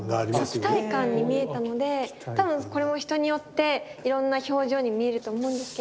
そう期待感に見えたので多分これも人によっていろんな表情に見えると思うんですけど。